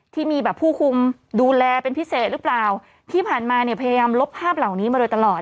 ที่มีแบบผู้คุมดูแลเป็นพิเศษหรือเปล่าที่ผ่านมาเนี่ยพยายามลบภาพเหล่านี้มาโดยตลอด